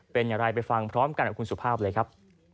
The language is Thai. เป็นอย่างไรไปฟังพร้อมกันกับคุณสุภาพเลยครับ